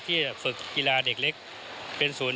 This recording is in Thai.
ฝึกกีฬาเด็กเล็กเป็นศูนย์